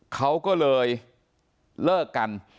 เขาก็เลยเลิกกัน